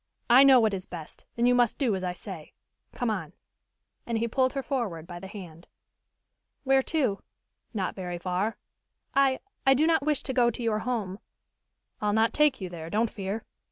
"I know what is best, and you must do as I say. Come on." And he pulled her forward by the hand. "Where to?" "Not very far." "I I do not wish to go to your home." "I'll not take you there, don't fear."